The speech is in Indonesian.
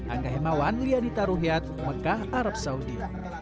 angga hemawan liyadi taruhyat mekah arab saudi